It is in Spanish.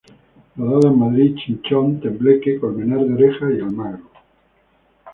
Rodada en Madrid, Chinchón, Tembleque, Colmenar de Oreja y Almagro.